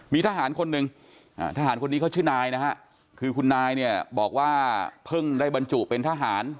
มีทหารคนหนึ่งทหารคนนี้เขาชื่อนายนะฮะคือคุณนายเนี่ยบอกว่าเพิ่งได้บรรจุเป็นทหาร